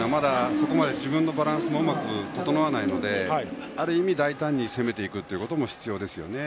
そこまで自分のバランスもうまく整わないのである意味大胆に攻めていくことも必要ですよね。